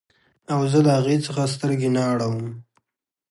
او زه د هغې څخه سترګې نه اړوم